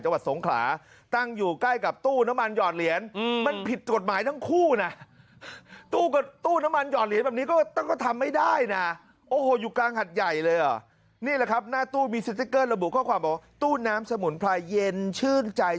จังหวัดสงขลาตั้งอยู่ใกล้กับตู้น้ำมันหยอดเหรียญ